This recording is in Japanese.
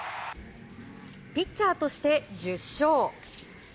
ピッチャーとして１０勝。